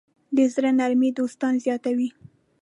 د زړۀ نرمي دوستان زیاتوي.